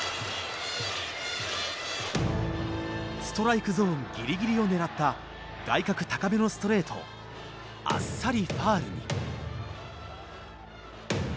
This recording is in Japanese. ストライクゾーンギリギリを狙った外角高めのストレートをあっさりファウルに。